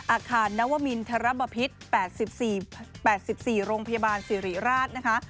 อาคารนวมิลธรรมพิษแปดสิบสี่โรงพยาบาลสิริราช